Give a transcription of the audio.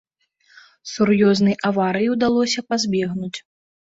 Сур'ёзнай аварыі ўдалося пазбегнуць.